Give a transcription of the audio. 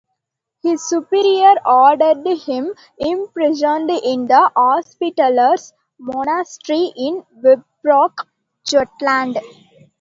His superior ordered him imprisoned in the Hospitallers monastery in Viborg, Jutland.